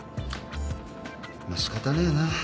まあしかたねえな。